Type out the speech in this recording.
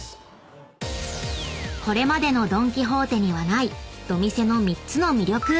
［これまでのドン・キホーテにはないドミセの３つの魅力］